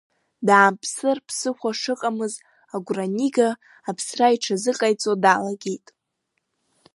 Даамԥсыр ԥсыхәа шыҟамыз агәра анига, аԥсра иҽазыҟаиҵо далагеит.